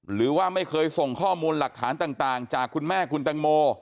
หรือว่าไม่เคยส่งข้อมูลหลักฐานต่างจากคุณแม่คุณแตงโม